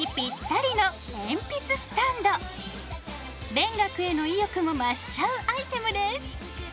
勉学への意欲も増しちゃうアイテムです。